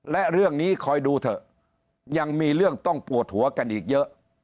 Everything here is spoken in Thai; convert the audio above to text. และเรื่องนี้คอยดูเถอะยังมีเรื่องต้องปวดหัวกันอีกเยอะ